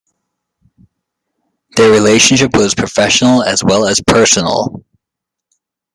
Their relationship was professional as well as personal.